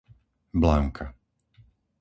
Blanka